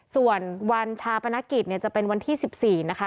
ส่วนวันชาปนกิจจะเป็นวันที่๑๔นะคะ